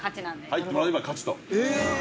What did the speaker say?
◆入ってもらえば勝ちと。